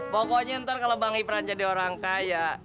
pokoknya ntar kalau bang ipran jadi orang kaya